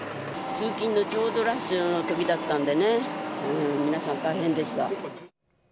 通勤のちょうどラッシュのときだったんでね、皆さん大変でした。